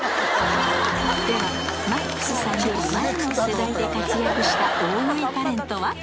ではＭＡＸさんより前の世代で活躍した大食いタレントは？